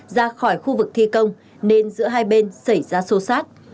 ra khỏi khu vực thi công nên giữa hai bên xảy ra sâu sát